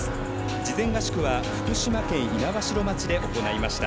事前合宿は福島県猪苗代町で行いました。